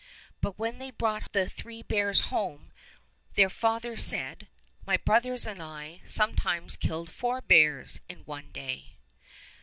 But when they brought the three bears home their father said, "My brothers and I some times killed four bears in one day."